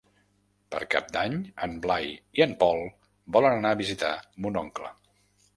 Per Cap d'Any en Blai i en Pol volen anar a visitar mon oncle.